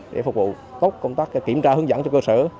để phục vụ tốt công tác kiểm tra hướng dẫn cho cơ sở